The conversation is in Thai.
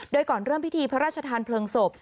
โดยก่อนเริ่มพิธีพระราชทานเพลิงศพ